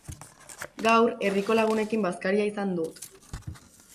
Gaur, herriko lagunekin bazkaria izan dut.